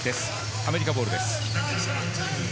アメリカボールです。